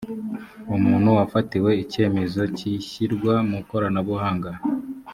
umuntu wafatiwe icyemezo cy ishyirwa mukoranabuhanga